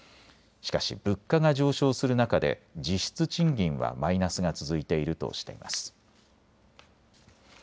しかし物価が上昇する中で実質賃金はマイナスが続いているとしています。